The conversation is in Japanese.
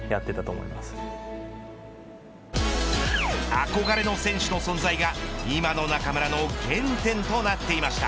憧れの選手の存在が今の中村の原点となっていました。